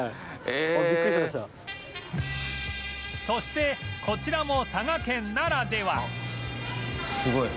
そしてこちらも佐賀県ならでは